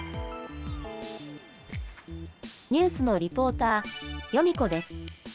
ニュースのリポーター、ヨミ子です。